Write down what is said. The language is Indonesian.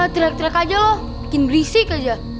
tira tira aja loh bikin berisik aja